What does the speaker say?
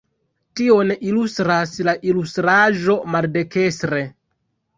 Tion ilustras la ilustraĵo maldekstre.